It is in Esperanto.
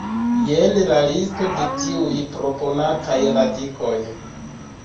Jen la listo de tiuj proponataj radikoj.